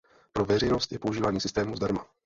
Pro veřejnost je používání systému zdarma.